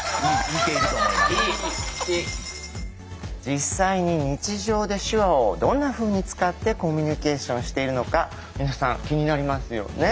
実際に日常で手話をどんなふうに使ってコミュニケーションしているのか皆さん気になりますよね。